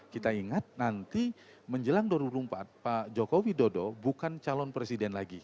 kita ingat nanti menjelang dorong dorong pak jokowi dodo bukan calon presiden lagi